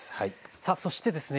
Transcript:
さあそしてですね